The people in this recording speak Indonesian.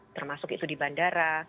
termasuk itu di bandara